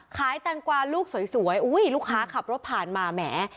แตงกวาลูกสวยอุ้ยลูกค้าขับรถผ่านมาแหม